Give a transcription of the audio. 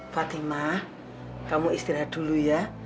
fatima kamu istirahat dulu ya